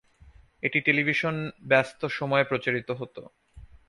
এটি টেলিভিশন ব্যস্ত সময়ে প্রচারিত হতো।